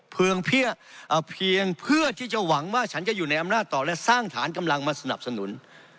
เพียงเพื่อที่จะหวังว่าฉันจะอยู่ในอำนาจต่อและสร้างฐานกำลังมาสนับสนุน